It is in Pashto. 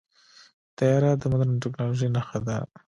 طیاره د مدرن ټیکنالوژۍ نښه ده.